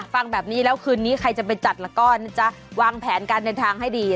ฟังแบบนี้แล้วคืนนี้ใครจะไปจัดแล้วก็จะวางแผนการเดินทางให้ดี